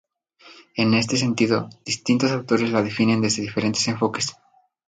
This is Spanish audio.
En este sentido, distintos autores la definen desde diferentes enfoques.